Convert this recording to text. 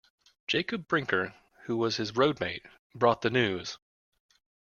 Jacob Brinker, who was his roadmate, brought the news.